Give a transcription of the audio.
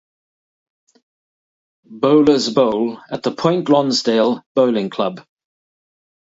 Bowlers bowl at the Point Lonsdale Bowling Club.